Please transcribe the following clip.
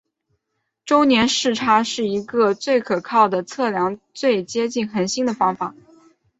周年视差是第一个最可靠的测量最接近恒星的方法。